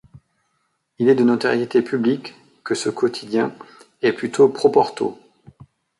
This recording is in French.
Il est de notoriété publique que ce quotidien est plutôt pro-Porto.